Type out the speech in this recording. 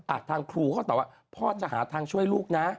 ทางครูเขาตอบว่าพ่อจะหาทางช่วยลูกนะ